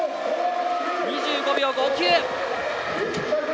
２５秒５９！